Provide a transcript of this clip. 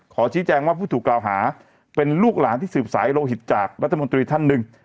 ขอชี้แจงว่าผู้ถูกกล่าวหาเป็นลูกหลานที่สืบสายโลหิตจากรัฐมนตรีท่านหนึ่ง